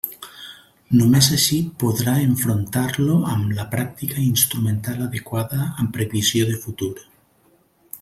Només així podrà enfrontar-lo amb la pràctica instrumental adequada amb previsió de futur.